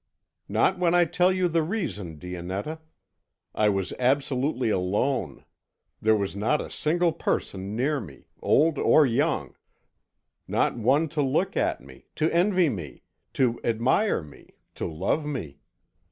"Not when I tell you the reason. Dionetta, I was absolutely alone. There was not a single person near me, old or young not one to look at me, to envy me, to admire me, to love me.